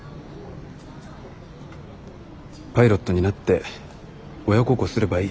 パイロットになって親孝行すればいい。